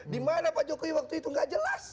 dimana pak jokowi waktu itu nggak jelas